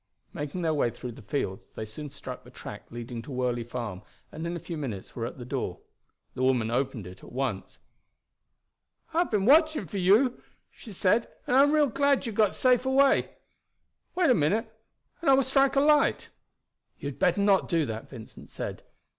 Making their way through the fields they soon struck the track leading to Worley Farm, and in a few minutes were at the door. The woman opened it at once. "I have been watching for you," she said, "and I am real glad you have got safe away. Wait a minute and I will strike a light." "You had better not do that," Vincent said.